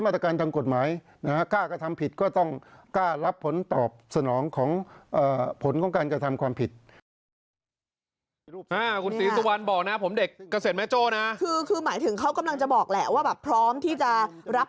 ตลอดเวลาฟิตร่างกายอยู่แล้วเตรียมพร้อมอยู่แล้วแบบนี้ค่ะ